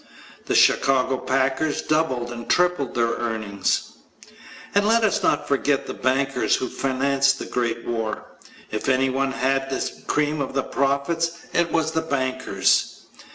The Chicago packers doubled and tripled their earnings. And let us not forget the bankers who financed the great war. If anyone had the cream of the profits it was the bankers.